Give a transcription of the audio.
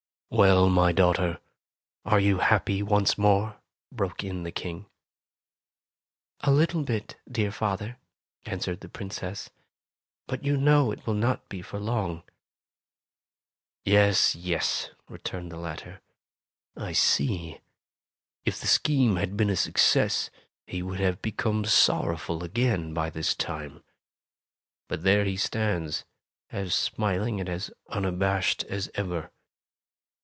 "Well, my daughter, are you happy once more?" broke in the King. 72 Tales of Modern Germany "A little bit, dear father,'' answered the Princess, ''but you know it will not be for long." "Yes, yes," returned the latter, "I see. If the scheme had been a success, he would have become sorrowful again, by this time. But there he stands, as smiling and as un abashed as ever.